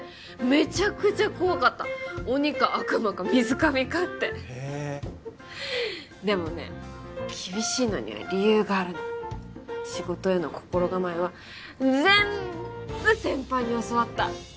めちゃくちゃ怖かった鬼か悪魔か水上かってへえでもね厳しいのには理由があるの仕事への心構えは全部先輩に教わった